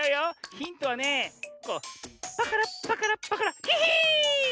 ヒントはねこうパカラパカラパカラヒヒーン！